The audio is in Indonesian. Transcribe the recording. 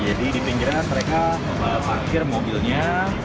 jadi di pinggirnya mereka parkir mobilnya